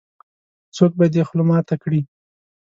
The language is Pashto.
-څوک به دې خوله ماته کړې.